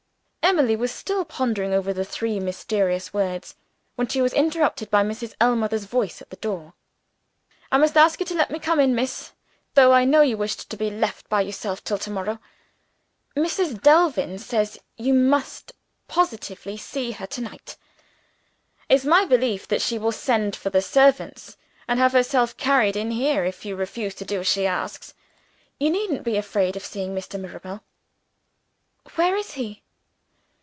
Emily was still pondering over the three mysterious words, when she was interrupted by Mrs. Ellmother's voice at the door. "I must ask you to let me come in, miss; though I know you wished to be left by yourself till to morrow. Mrs. Delvin says she must positively see you to night. It's my belief that she will send for the servants, and have herself carried in here, if you refuse to do what she asks. You needn't be afraid of seeing Mr. Mirabel." "Where is he?"